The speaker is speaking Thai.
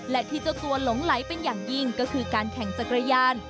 และที่เจ้าตัวหลงไหลเป็นอย่างยิ่งก็คือการแข่งจักรยาน